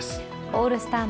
オールスター